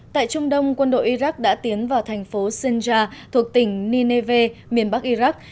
tại trung đông quân đội iraq đã tiến vào thành phố sinjar thuộc tỉnh nineveh miền bắc iraq